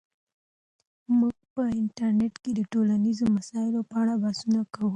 موږ په انټرنیټ کې د ټولنیزو مسایلو په اړه بحثونه کوو.